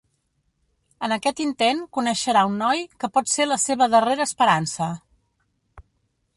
En aquest intent coneixerà un noi que pot ser la seva darrera esperança.